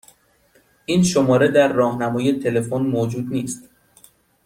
این شماره در راهنمای تلفن موجود نیست.